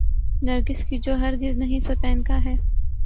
نرگس کی جو ہرگز نہیں سوتیعنقا ہے۔